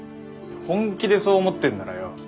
本気でそう思ってんならよ